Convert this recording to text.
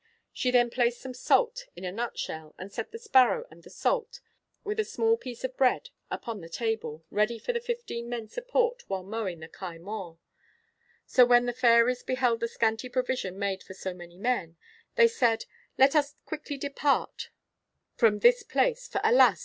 She then placed some salt in a nut shell, and set the sparrow and the salt, with a small piece of bread, upon the table, ready for the fifteen men's support while mowing Cae Mawr. So when the fairies beheld the scanty provision made for so many men, they said "Let us quickly depart from this place, for alas!